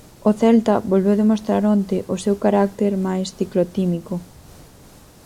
O Celta volveu demostrar onte o seu carácter máis ciclotímico.